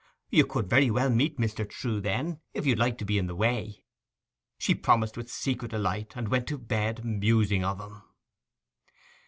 'You could very well meet Mr Trewe then, if you'd like to be in the way!' She promised with secret delight, and went to bed musing of him.